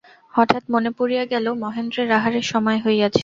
হঠাৎ মনে পড়িয়া গেল, মহেন্দ্রের আহারের সময় হইয়াছে।